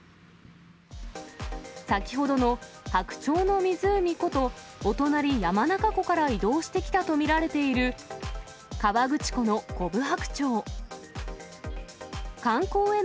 先ほどの白鳥の湖こと、お隣、山中湖から移動してきたと見られている河口湖のコブハクチョウ。